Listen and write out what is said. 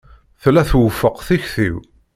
Tella twufeq tikti-w.